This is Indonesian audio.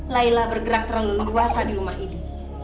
layla bergerak terlalu luasa di rumah ini